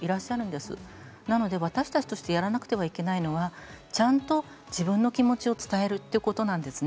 ですので私たちでやらなくてはいけないのはちゃんと自分の気持ちを伝えるということなんです。